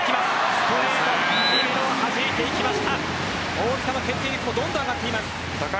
大塚の決定率もどんどん上がっています。